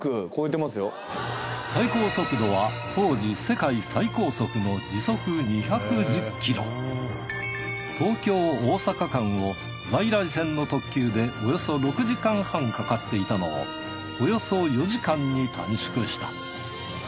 最高速度は東京大阪間を在来線の特急でおよそ６時間半かかっていたのをおよそ４時間に短縮した。